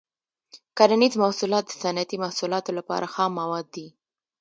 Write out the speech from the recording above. کرنیز محصولات د صنعتي محصولاتو لپاره خام مواد دي.